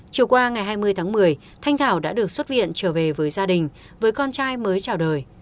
chiều qua ngày hai mươi tháng một mươi thanh thảo đã được xuất viện trở về với gia đình với con trai mới chào đời